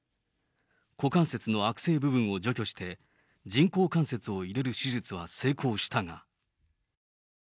股関節の悪性部分を除去して、人工関節を入れる手術は成功したが。